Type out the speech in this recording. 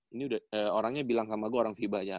ini udah orangnya bilang sama gue orang vibanya